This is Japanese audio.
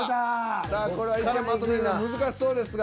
さあこれは意見まとめるの難しそうですが。